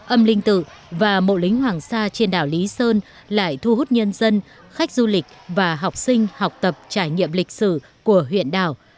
âm linh tự và mộ lính hoàng sa trên đảo lý sơn lại thu hút nhân dân khách du lịch và học sinh học tập trải nghiệm lịch sử của huyện đảo